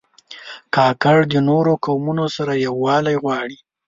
کاکړ د نورو قومونو سره یووالی غواړي.